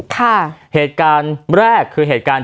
เกิดการณ์แรกคือ